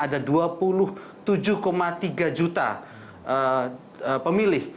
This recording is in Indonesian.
ada dua puluh tujuh tiga juta pemilih